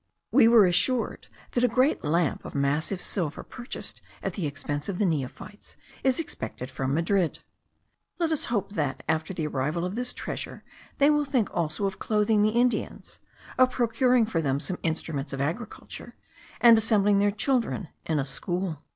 We were assured that a great lamp of massive silver, purchased at the expense of the neophytes, is expected from Madrid. Let us hope that, after the arrival of this treasure, they will think also of clothing the Indians, of procuring for them some instruments of agriculture, and assembling their children in a school.